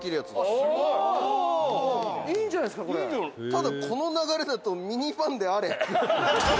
「ただこの流れだとミニファンであれ！」